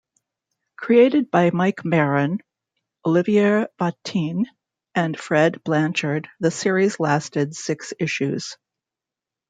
Created by Mike Baron, Olivier Vatine, and Fred Blanchard, the series lasted six issues.